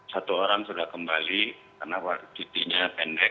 satu orang sudah kembali karena warga negara indonesia nya pendek